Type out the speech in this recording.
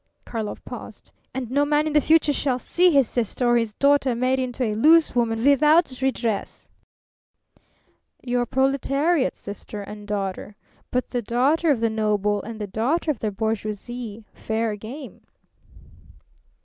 Karlov paused. "And no man in the future shall see his sister or his daughter made into a loose woman without redress." "Your proletariat's sister and daughter. But the daughter of the noble and the daughter of the bourgeoisie fair game!"